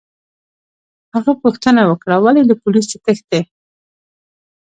هغه پوښتنه وکړه: ولي، له پولیسو تښتې؟